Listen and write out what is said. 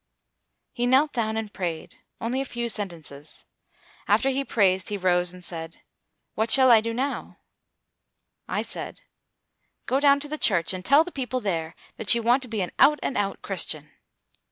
He knelt down and prayed, only a few sentences. After he prayed, he rose and said, "What shall I do now?" I said, "Go down to the church, and tell the people there that you want to be an out and out Christian."